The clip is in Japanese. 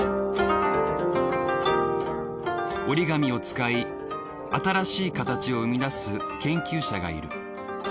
折り紙を使い新しい形を生み出す研究者がいる。